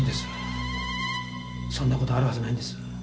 そんな事あるはずないんです。